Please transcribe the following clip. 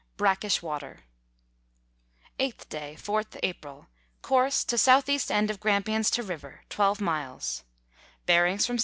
Brackish water. 8th day, 4th April. Course, to S.E. end of Grampians to River, 12 miles. Bearings from S.E.